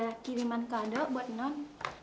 ada kiriman kado buat enam